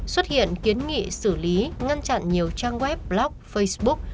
xuất hiện kiến nghị xử lý ngăn chặn nhiều trang web blog facebook